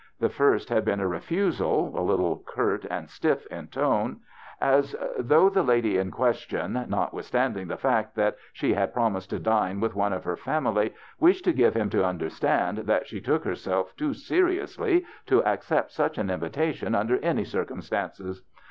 The first had been a refusal, a little curt and stiff in tone, as though the 40 THE BACHELORS CHRISTMAS lady in question, notwithstanding the fact that she had promised to dine with one of her family, wished to give him to understand that she took herself too seriously to accept such an invitation under any circumstances.